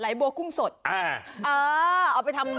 ยำยำ